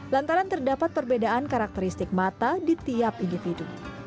lantaran terdapat perbedaan karakteristik mata di tiap individu